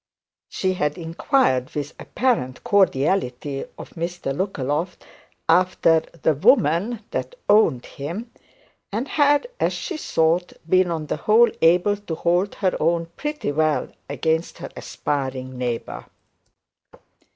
She had inquired with apparent cordiality of Mr Lookaloft after 'the woman that owned him,' and had, as she thought, been on the whole able to hold her own pretty well against her aspiring neighbour.